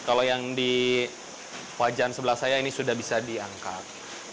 kalau yang di wajan sebelah saya ini sudah bisa diangkat